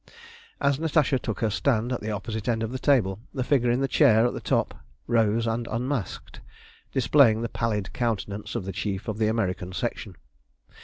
As Natasha took her stand at the opposite end of the table, the figure in the chair at the top rose and unmasked, displaying the pallid countenance of the Chief of the American Section.